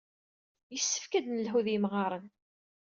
Yessefk ad nelhu d yimɣaren.